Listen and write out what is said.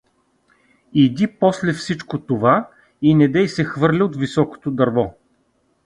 Иди после всичко това и недей се хвърля от високото дърво.